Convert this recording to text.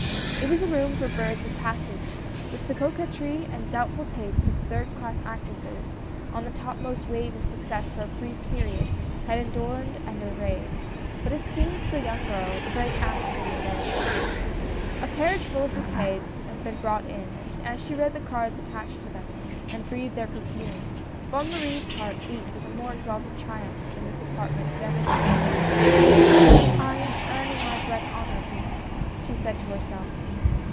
It was a room for birds of passage, which the coquetry and doubtful taste of third class actresses — on the topmost wave of success for a brief period — had adorned and arrayed, but it seemed to the young girl the very acme of elegance. A carriage full of bouquets had been brought in, and as she read the cards attached to them, and breathed their perfume, Bonne Marie's heart beat with a more exalted triumph than this apart ment had ever before witnessed. " I am earning my bread honorably," she said to herself.